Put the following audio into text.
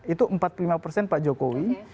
itu empat puluh lima persen pak jokowi